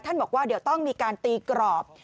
บอกว่าเดี๋ยวต้องมีการตีกรอบ